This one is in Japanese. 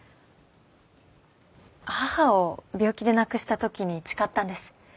母を病気で亡くした時に誓ったんです。